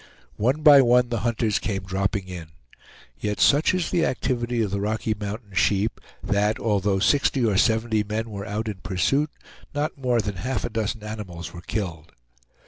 One by one the hunters came dropping in; yet such is the activity of the Rocky Mountain sheep that, although sixty or seventy men were out in pursuit, not more than half a dozen animals were killed.